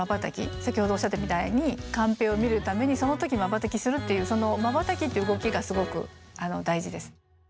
先ほどおっしゃったみたいにカンペを見るためにそのときまばたきするっていうそのまばたきって動きがすごく大事です。